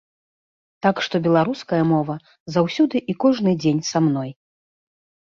Так што беларуская мова заўсёды і кожны дзень са мной.